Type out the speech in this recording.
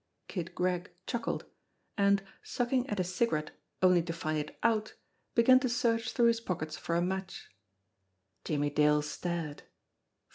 Kid Gregg chuckled, and sucking at his cigarette only to find it out, began to search through his pockets for a match. Jimmie Dale stared.